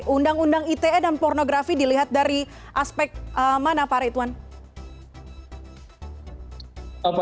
undang undang ite dan pornografi dilihat dari aspek mana pak ritwan